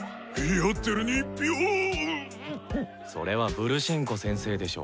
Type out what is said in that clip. それはブルシェンコ先生でしょ。